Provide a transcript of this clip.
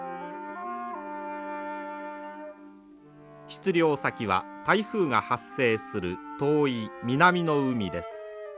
出漁先は台風が発生する遠い南の海です。